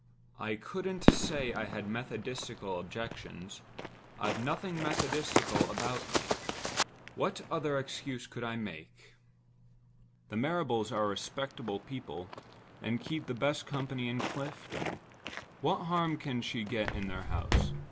I couldn't say I had methodistical objections—I've nothing methodistical about me. What other excuse could I make? The Marrables are respectable people, and keep the best company in Clifton. What harm can she get in their house?